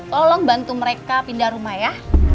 tolong bantu mereka pindah rumah ya